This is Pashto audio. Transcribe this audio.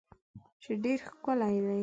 چې ډیر ښکلی دی